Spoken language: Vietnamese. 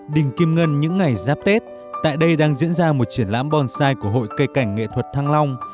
đình kim ngân những ngày giáp tết tại đây đang diễn ra một triển lãm bonsai của hội cây cảnh nghệ thuật thăng long